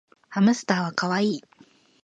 ハムスターはかわいい